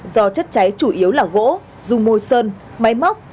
do chất cháy chủ yếu là gỗ dùng môi sơn máy móc